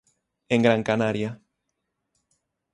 En Gran Canaria.